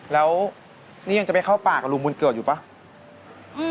แล้วนี่ยังจะไปเข้าป่ากับรูมมูลเกิดอยู่ไหม